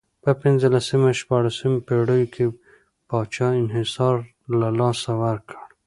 په پنځلسمې او شپاړسمې پېړیو کې پاچا انحصار له لاسه ورکړ.